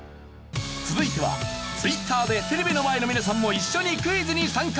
続いてはツイッターでテレビの前の皆さんも一緒にクイズに参加！